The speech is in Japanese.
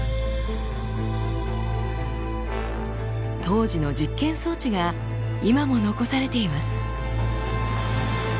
当時の実験装置が今も残されています。